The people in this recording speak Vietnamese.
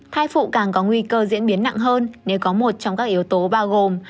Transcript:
thai phụ càng có nguy cơ diễn biến nặng hơn nếu có một trong các yếu tố bao gồm